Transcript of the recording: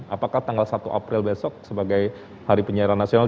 apakah tanggal satu april besok sebagai hari penyiaran nasional